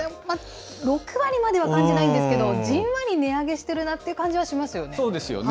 ６割までは感じないんですけど、じんわり値上げしているなって感じしますね。